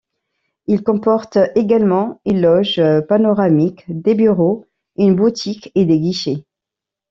Il comporte également une loge panoramique, des bureaux, une boutiques et des guichets.